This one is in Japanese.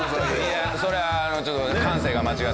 いやそれはちょっと。